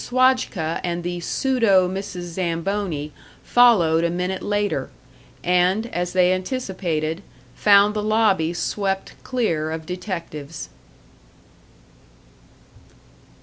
Swajka and the pseudo Mrs. Zamboni followed a minute later and, as they anticipated, found the lobby swept clear of detectives.